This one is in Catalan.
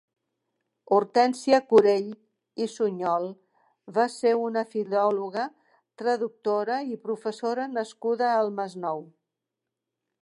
Hortènsia Curell i Sunyol va ser una filòloga, traductora i professora nascuda al Masnou.